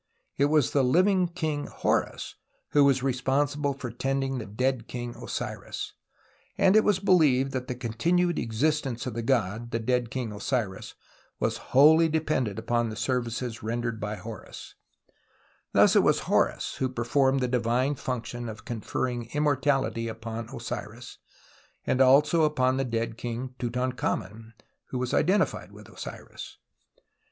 It was the living king Horus who was responsible for tending the dead king Osiris ; and it was believed that the continued existence of the god (the dead king Osiris) was wholly dependent upon the services rendered by Horus. Thus it was Horus who performed the divine function of conferring immortality upon Osiris, and also upon the dead king Tutankhamen, who was identified with Osiris.